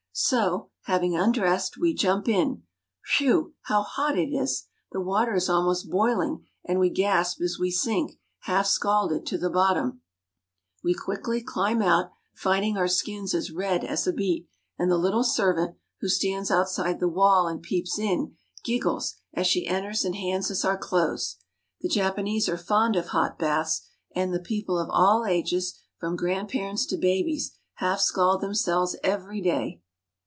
So, having undressed, we jump in. Whew ! How hot it is ! The water is almost boiling, and we gasp as we sink, half scalded, to the bottom. We quickly climb out, find ing our skins as red as a beet, and the little servant, who stands outside the wall and peeps in, giggles, as she enters and hands us our clothes of hot baths, and the people of all ages, from grandparents to babies, half scald them selves every day.